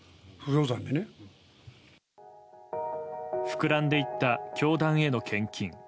膨らんでいった教団への献金。